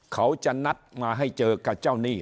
เขาจะนัดมาให้เจอกับเจ้าหนี้